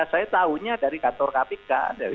saya tahunya dari kantor kpk